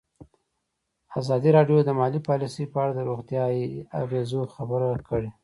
ازادي راډیو د مالي پالیسي په اړه د روغتیایي اغېزو خبره کړې.